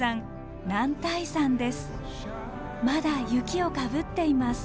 まだ雪をかぶっています。